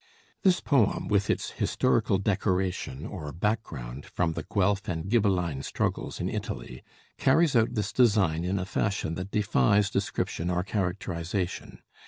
This poem, with its "historical decoration" or "background" from the Guelf and Ghibelline struggles in Italy, carries out this design in a fashion that defies description or characterization.